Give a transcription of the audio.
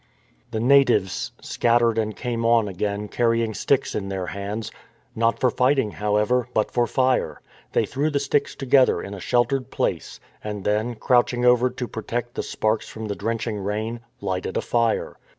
The natives scattered and came on again carrying sticks in their hands; not for fighting, however, but for fire. They threw the sticks together in a sheltered place and then, crouching over to protect the sparks from the drenching rain, lighted a fire.